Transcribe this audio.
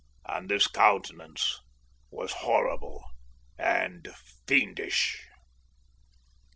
And this countenance was horrible and fiendish."